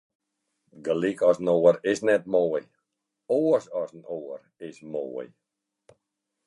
Gelyk as in oar is net moai, oars as in oar is moai.